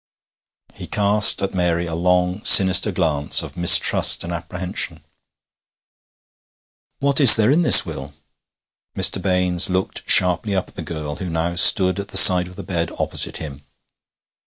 He cast at Mary a long sinister glance of mistrust and apprehension. 'What is there in this will?' Mr. Baines looked sharply up at the girl, who now stood at the side of the bed opposite him.